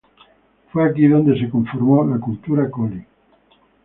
Fue aquí donde se formó la cultura Colli.